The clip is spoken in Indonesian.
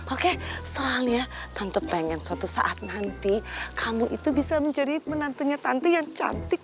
oke soalnya tante pengen suatu saat nanti kamu itu bisa menjadi menantunya tante yang cantik